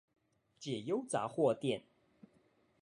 解憂雜貨店